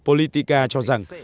nếu pagella politica cho rằng